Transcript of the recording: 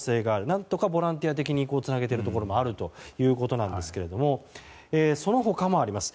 何とかボランティア的につなげているところもあるということですがその他もあります。